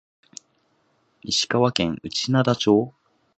石川県内灘町